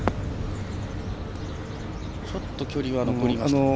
ちょっと距離は残りました。